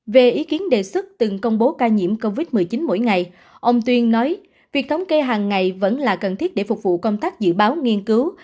về ý kiến đề xuất từng công bố ca nhiễm covid một mươi chín mỗi ngày ông tuyên nói việc thống kê hàng ngày vẫn là cần thiết để phục vụ công tác dự báo nghiên cứu